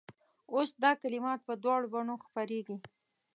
اوس دا کلمات په دواړو بڼو خپرېږي.